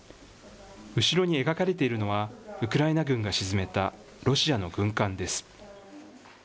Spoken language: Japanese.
後ろに描かれているのは、ウクライナ軍が沈めたロシアの軍艦です。